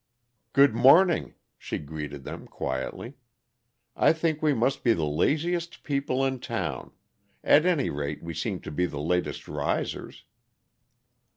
"Good morning," she greeted them quietly. "I think we must be the laziest people in town; at any rate, we seem to be the latest risers."